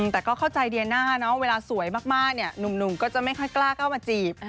แต่ก็เข้าใจเดียน่าเนอะเวลาสวยมากเนี่ยหนุ่มก็จะไม่ค่อยกล้าเข้ามาจีบ